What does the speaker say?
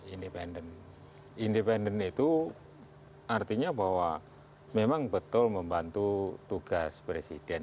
independen independen itu artinya bahwa memang betul membantu tugas presiden